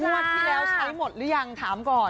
งวดที่แล้วใช้หมดหรือยังถามก่อน